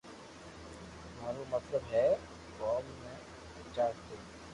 مارو مطلب ھي ڪوم تي جا تو